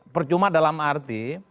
percuma dalam arti